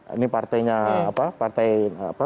ini partainya apa